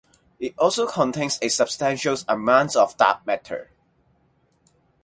It also contains a substantial amount of dark matter.